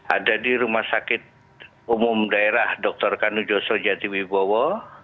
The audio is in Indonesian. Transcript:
ada di rumah sakit umum daerah dr kanu joso jati wibowo